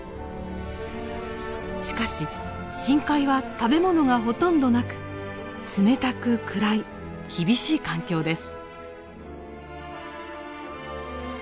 しかし深海は食べ物がほとんどなく冷たく暗い厳しい環境です。